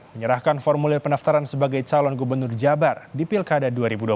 menyerahkan formulir pendaftaran sebagai calon gubernur jabar di pilkada dua ribu dua puluh